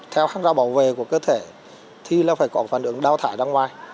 theo hãng rau bảo vệ của cơ thể thì phải có phản ứng đào thải ra ngoài